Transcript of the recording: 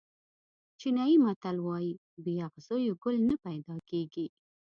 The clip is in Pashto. چینایي متل وایي بې اغزیو ګل نه پیدا کېږي.